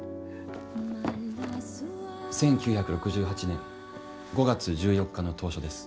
１９６８年５月１４日の投書です。